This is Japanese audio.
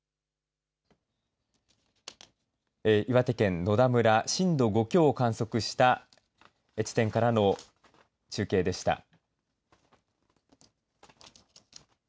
岩手県野田村震度５強を観測した地点からの中継でした。